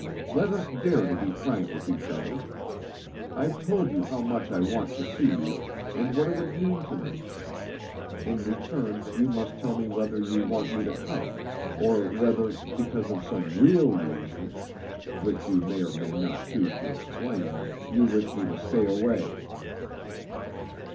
Let us dare to be frank with each other. I've told you how much I want to see you and what it would mean to me. In return you must tell me whether you want me to come, or whether, because of some real reason (which you may or may not choose to explain) you wish me to stay away.